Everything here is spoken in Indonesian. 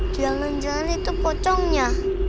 jalan jalan itu pocongnya